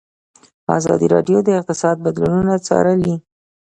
ازادي راډیو د اقتصاد بدلونونه څارلي.